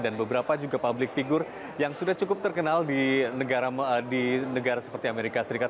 dan beberapa juga public figure yang sudah cukup terkenal di negara seperti amerika serikat